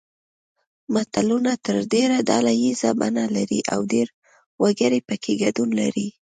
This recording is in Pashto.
متلونه تر ډېره ډله ییزه بڼه لري او ډېر وګړي پکې ګډون لري